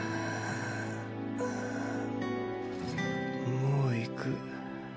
もう行く。